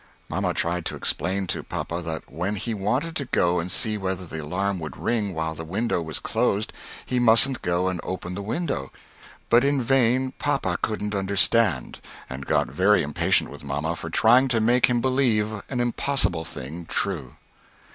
Mamma tried to explain to papa that when he wanted to go and see whether the alarm would ring while the window was closed he mustn't go and open the window but in vain, papa couldn't understand, and got very impatient with mamma for trying to make him believe an impossible thing true.